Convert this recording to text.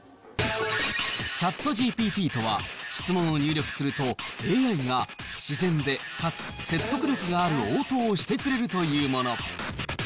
ＣｈａｔＧＰＴとは、質問を入力すると、ＡＩが、自然でかつ説得力がある応答をしてくれるというもの。